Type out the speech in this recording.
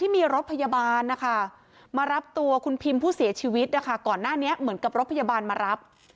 มารับตัวคุณพิมพ์ผู้เสียชีวิตนะคะก่อนหน้านี้เหมือนกับรกพยาบาลมารับ